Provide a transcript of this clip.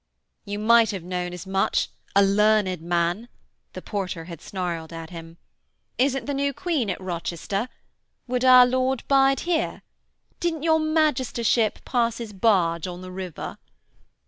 'You might have known as much, a learned man,' the porter had snarled at him. 'Isn't the new Queen at Rochester? Would our lord bide here? Didn't your magistership pass his barge on the river?'